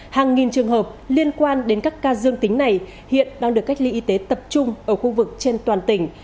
hàng nghìn trường hợp liên quan đến các ca dương tính này hiện đang được cách ly y tế tập trung ở khu vực trên toàn tỉnh